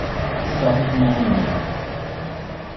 Tessaɣ ticemmaɛin-nni.